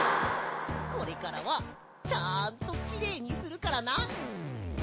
これからはちゃんとキレイにするからな。